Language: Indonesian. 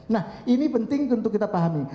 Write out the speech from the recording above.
nah ini penting untuk kita pahami